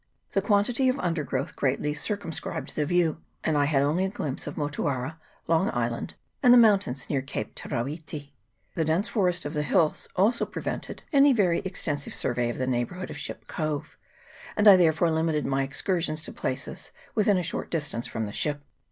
The quantity of underwood greatly circumscribed the view, and I had only a glimpse of Motuara, Long Island, and the mountains near Cape Te ra witi. The dense forest of the hills also prevented any very extensive survey of the neigh bourhood of Ship Cove, and I therefore limited my excursions to places within a short distance from the ship.